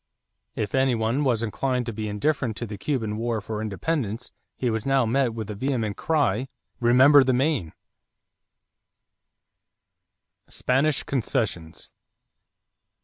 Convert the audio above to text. If any one was inclined to be indifferent to the Cuban war for independence, he was now met by the vehement cry: "Remember the Maine!" =Spanish Concessions.